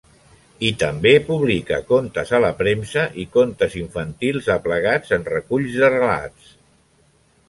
I també publica contes a la premsa i contes infantils aplegats en reculls de relats.